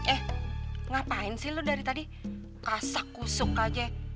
eh ngapain sih lo dari tadi kasak kusuk aja